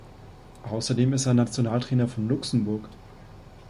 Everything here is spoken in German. Außerdem ist er Nationaltrainer von Luxemburg.